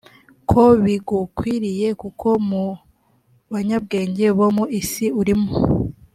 ko bigukwiriye kuko mu banyabwenge bo mu isi urimo